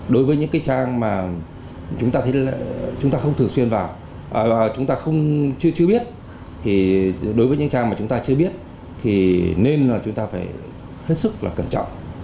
đối với những cái trang mà chúng ta không thường xuyên vào chúng ta chưa biết thì đối với những trang mà chúng ta chưa biết thì nên là chúng ta phải hết sức là cẩn trọng